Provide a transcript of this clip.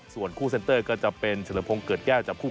ส่วนคู่เซ็นเตอร์ก็จะเป็นเฉลิมพงศ์เกิดแก้วจับคู่